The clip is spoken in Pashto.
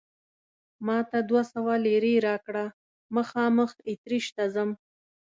ما ته دوه سوه لیرې راکړه، مخامخ اتریش ته ځم.